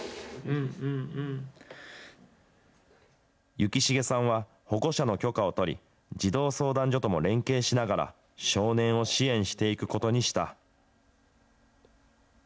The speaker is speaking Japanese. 幸重さんは、保護者の許可を取り、児童相談所とも連携しながら、少年を支援していくことにした。